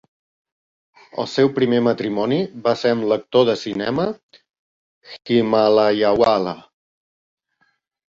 El seu primer matrimoni va ser amb l'actor de cinema "Himalayawala".